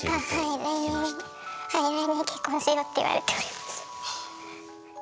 「来年結婚しよう」って言われております。